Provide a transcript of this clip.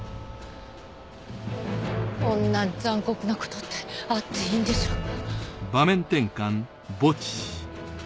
こんな残酷なことってあっていいんでしょうか？